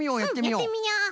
うんやってみよう。